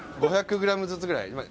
５００ｇずつぐらい。